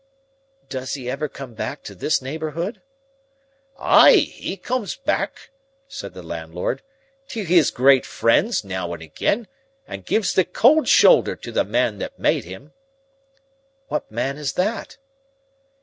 "Does he ever come back to this neighbourhood?" "Ay, he comes back," said the landlord, "to his great friends, now and again, and gives the cold shoulder to the man that made him." "What man is that?"